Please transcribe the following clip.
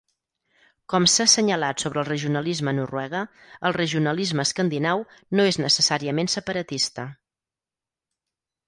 Com s'ha assenyalat sobre el regionalisme a Noruega, el regionalisme escandinau no és necessàriament separatista.